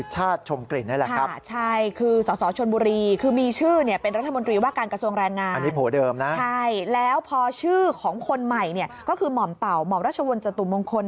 ใช่แล้วพอชื่อของคนใหม่มอมตาวหมอมรชวนเจาะมงคล